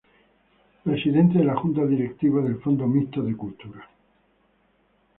Presidente de la Junta Directiva del Fondo Mixto de Cultura.